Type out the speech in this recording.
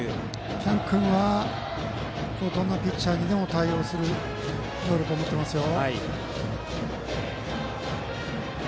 喜屋武君はどんなピッチャーにも対応する能力を持ってますよ。